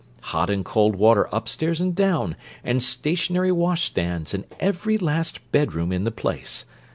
Hot and cold water upstairs and down, and stationary washstands in every last bedroom in the place!